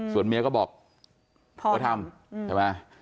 ส่วนเมียก็บอกว่าทำใช่ไหม